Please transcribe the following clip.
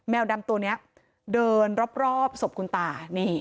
ดำตัวนี้เดินรอบศพคุณตา